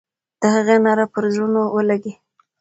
د هغې ناره به پر زړونو ولګي.